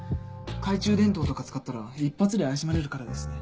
懐中電灯とか使ったら一発で怪しまれるからですね。